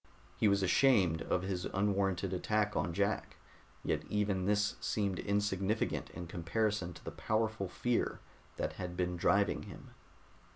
He was ashamed of his unwarranted attack on Jack, yet even this seemed insignificant in comparison to the powerful fear that had been driving him.